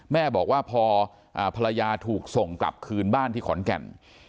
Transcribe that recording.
แม่บอกว่าพอภรรยาถูกส่งกลับคืนบ้านที่ขอนแก่น